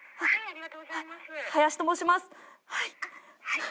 「はい。